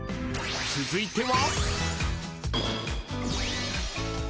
［続いては］